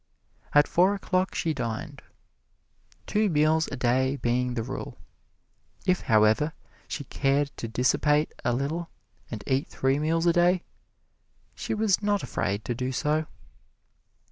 At four o'clock she dined two meals a day being the rule. If, however, she cared to dissipate a little and eat three meals a day, she was not afraid to do so.